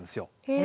え。